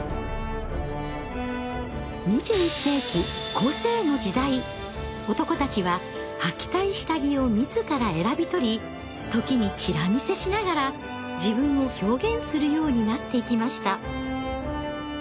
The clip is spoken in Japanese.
２１世紀男たちははきたい下着を自ら選び取り時にチラ見せしながら自分を表現するようになっていきました。